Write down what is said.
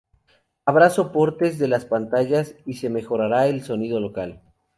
Habrá soportes para las pantallas y se mejorará el sonido local.